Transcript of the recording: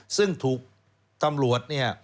ซึ่งถูกตำรวจเนี่ย